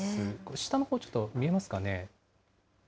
下のほう、ちょっと見えますかね。